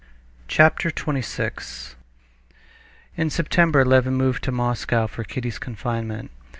Chapter 26 In September Levin moved to Moscow for Kitty's confinement.